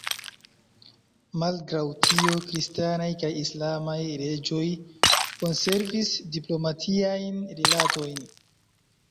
Malgraŭ tio, kristanaj kaj islamaj reĝoj konservis diplomatiajn rilatojn.